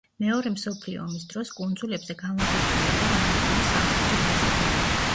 მეორე მსოფლიო ომის დროს კუნძულებზე განლაგებული იყო ამერიკული სამხედრო ბაზები.